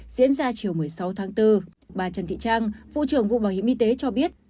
diễn ra chiều một mươi sáu tháng bốn bà trần thị trang vụ trưởng vụ bảo hiểm y tế cho biết